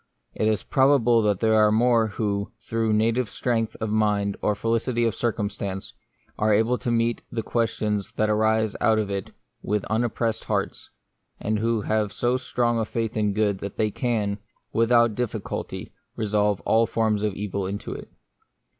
It is probable that there are more who, through native strength of mind, or felicity of circumstance, are able to meet the questions that arise out of it with unoppressed hearts, and who have so strong a faith in good that they can, without difficulty, resolve all forms of evil into it.